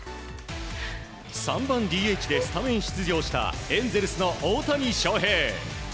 ３番ＤＨでスタメン出場したエンゼルスの大谷翔平。